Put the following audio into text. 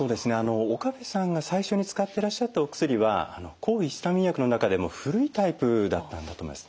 岡部さんが最初に使ってらっしゃったお薬は抗ヒスタミン薬の中でも古いタイプだったんだと思います。